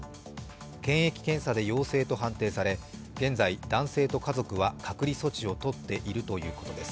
検疫検査で陽性と判定され、現在、男性と家族は隔離措置を取っているということです。